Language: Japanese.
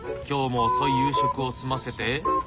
今日も遅い夕食を済ませて。